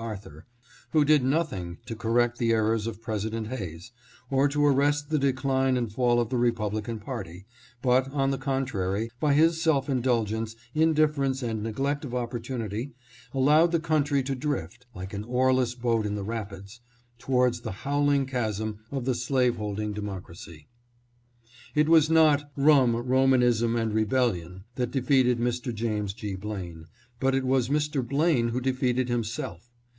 Arthur, who did noth ing to correct the errors of President Hayes, or to arrest the decline and fall of the Republican party, but, on the contrary, by his self indulgence, indifference and neglect of opportunity, allowed the country to drift (like an oar less boat in the rapids) towards the howling chasm of the slaveholding Democracy. It was not " Rum, Romanism, and Rebellion " that defeated Mr. James G. Blaine, but it was Mr. Blaine who defeated himself.